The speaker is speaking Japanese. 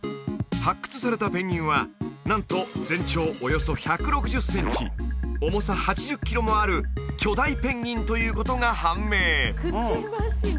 発掘されたペンギンはなんと全長およそ１６０センチ重さ８０キロもある巨大ペンギンということが判明